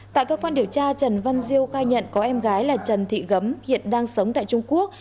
tại cơ quan điều tra trần văn diêu khai nhận có em gái là trần thị gấm hiện đang sống tại trung quốc